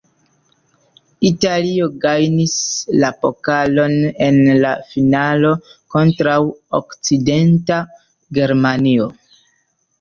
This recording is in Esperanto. Italio gajnis la pokalon en la finalo kontraŭ Okcidenta Germanio.